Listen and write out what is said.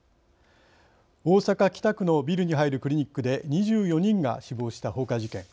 大阪・北区のビルに入るクリニックで２４人が死亡した放火事件。